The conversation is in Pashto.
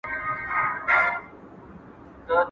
¬ زه دي پزه پرې کوم، ته پېزوان را څخه غواړې.